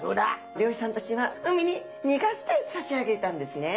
漁師さんたちは海に逃がしてさしあげたんですね。